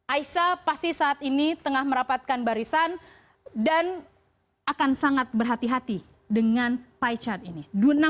aisyah pasti saat ini tengah merapatkan barisan dan akan sangat berhati hati dengan pie chart ini